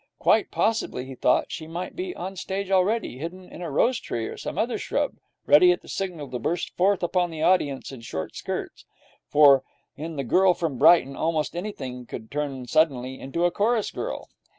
Quite possibly, he thought, she might be on the stage already, hidden in a rose tree or some other shrub, ready at the signal to burst forth upon the audience in short skirts; for in 'The Girl From Brighton' almost anything could turn suddenly into a chorus girl.